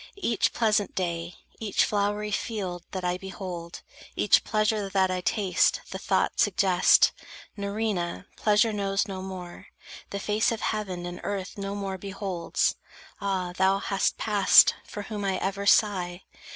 Each pleasant day, each flowery field that I Behold, each pleasure that I taste, the thought Suggest: "Nerina pleasure knows no more, The face of heaven and earth no more beholds." Ah, thou hast passed, for whom I ever sigh!